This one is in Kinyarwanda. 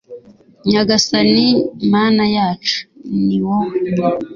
nyagasani mana yacu, ni wowe